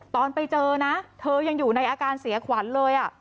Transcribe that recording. ตอนไปเจอนะเธอยังอยู่ในอาการเสียขวัญเลย